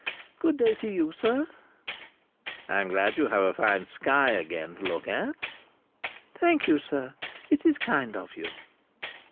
"Good day to you, sir." "I am glad you have a fine sky again, to look at." "Thank you, sir. It is kind of you."